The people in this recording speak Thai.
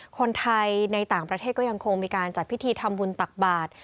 คนไทยในต่างประเทศก็ยังคงมีการจัดพิธีทำบุญตักบาท